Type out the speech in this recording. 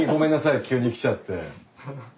急に来ちゃって。